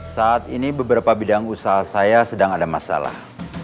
saat ini beberapa bidang usaha saya sedang ada masalah